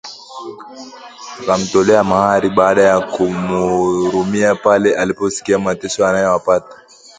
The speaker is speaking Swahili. Akamtolea mahari baada ya kumuhurumia pale aliposikia mateso anayoyapata